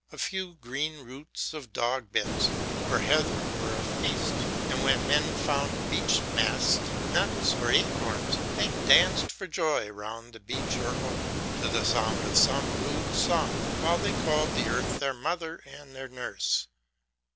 A few green roots of dogs bit or heather were a feast, and when men found beech mast, nuts, or acorns, they danced for joy round the beech or oak, to the sound of some rude song, while they called the earth their mother and their nurse.